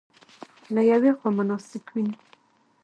له یوې خوا مناسک وینو.